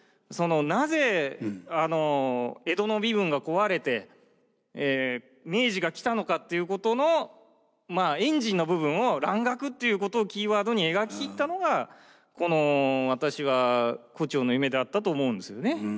なぜあの江戸の身分が壊れて明治が来たのかっていうことのエンジンの部分を蘭学っていうことをキーワードに描き切ったのが私は「胡蝶の夢」であったと思うんですよね。